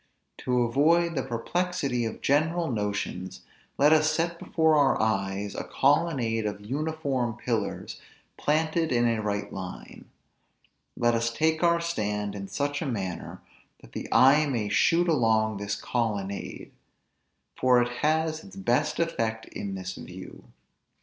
To avoid the perplexity of general notions; let us set before our eyes, a colonnade of uniform pillars planted in a right line; let us take our stand in such a manner, that the eye may shoot along this colonnade, for it has its best effect in this view.